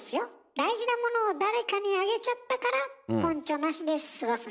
大事なものを誰かにあげちゃったからポンチョなしで過ごすんです。